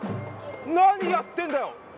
何やってんだよ！